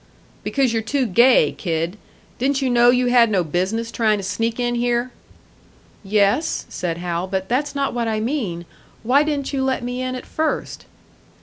"Because you're too gay, kid. Didn't you know you had no business trying to sneak in here?" "Yes," said Hal; "but that's not what I mean. Why didn't you let me in at first?"